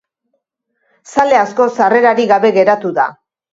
Zale asko sarrerarik gabe geratu da.